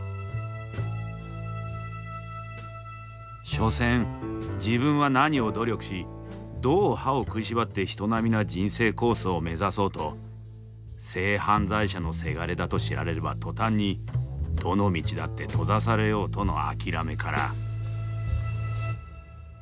所詮自分は何を努力しどう歯を食いしばって人並みな人生コースを目指そうと性犯罪者の伜だと知られれば途端にどの道だって閉ざされようとの諦めから。